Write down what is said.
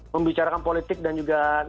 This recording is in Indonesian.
pembicarakan politik dan juga